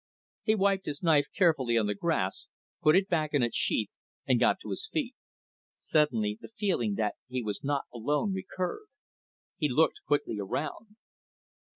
He wiped his knife carefully on the grass, put it back in its sheath, and got to his feet. Suddenly, the feeling that he was not alone recurred. He looked quickly around.